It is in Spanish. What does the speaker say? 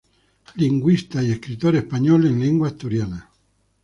Lingüista y escritor español en lengua asturiana.